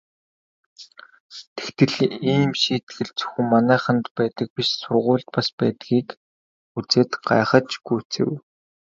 Тэгтэл ийм шийтгэл зөвхөн манайханд байдаг биш сургуульд бас байдгийг үзээд гайхаж гүйцэв.